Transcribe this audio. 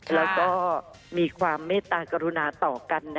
แล้วก็มีความเมตตากรุณาต่อกัน